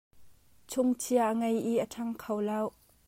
Chungchia a ngei i a ṭhang kho lo.